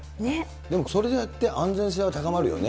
でもそれでやって安全性は高まるよね。